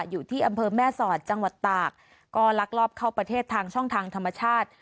อยู่ที่อำเภอแม่สอดจังหวัดตากก็ลักลอบเข้าประเทศทางช่องทางธรรมชาติ